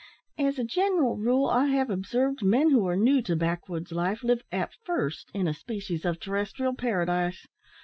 As a general rule, I have observed, men who are new to backwoods life, live at first in a species of terrestrial paradise.